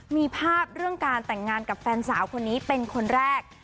มีภาพเรื่องการแต่งงานกับแฟนสาวคนนี้เป็นคนแรก